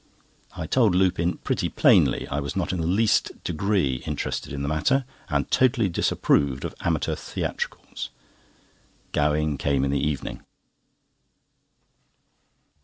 I told Lupin pretty plainly I was not in the least degree interested in the matter, and totally disapproved of amateur theatricals. Gowing came in the evening.